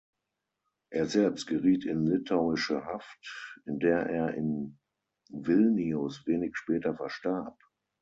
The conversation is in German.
Er selbst geriet in litauische Haft, in der er in Vilnius wenig später verstarb.